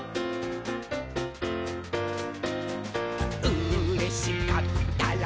「うれしかったら」